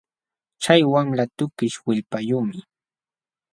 Chay wamla tukish willpayuqmi